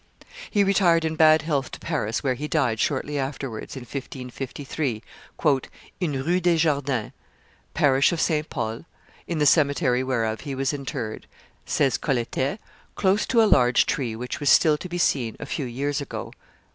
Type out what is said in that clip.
He retired in bad health to Paris, where he died shortly afterwards, in 1553, "in Rue des Jardins, parish of St. Paul, in the cemetery whereof he was interred," says Colletet, "close to a large tree which was still to be seen a few years ago."